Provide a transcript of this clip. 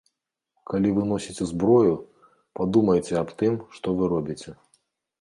Калі вы носіце зброю, падумайце аб тым, што вы робіце.